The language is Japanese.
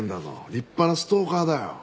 立派なストーカーだよ。